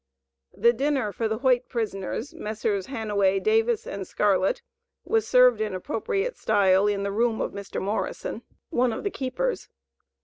The dinner for the white prisoners, Messrs. Hanaway, Davis, and Scarlett, was served in appropriate style in the room of Mr. Morrison, one of the keepers.